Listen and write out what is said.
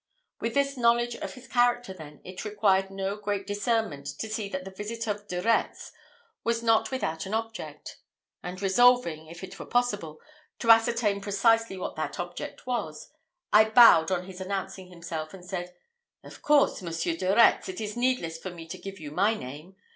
With this knowledge of his character, then, it required no great discernment to see that the visit of De Retz was not without an object; and resolving, if it were possible, to ascertain precisely what that object was, I bowed on his announcing himself, and said, "Of course, Monsieur de Retz, it is needless for me to give you my name.